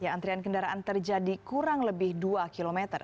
antrian kendaraan terjadi kurang lebih dua km